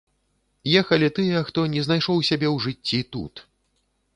Ехалі тыя, хто не знайшоў сябе ў жыцці тут.